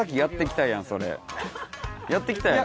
やってきたやろ。